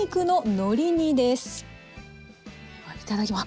いただきます。